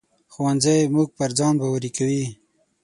ښوونځی موږ پر ځان باوري کوي